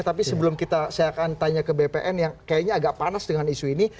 tapi sebelum saya akan tanya ke bpn yang kayaknya agak panas dengan isu ini